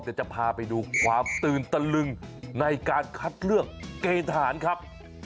เดี๋ยวจะพาไปดูความตื่นตะลึงในการคัดเลือกเกณฑ์ทหารครับ